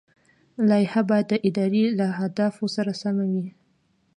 لایحه باید د ادارې له اهدافو سره سمه وي.